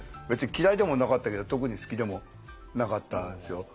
別に嫌いでもなかったけど特に好きでもなかったんですよ。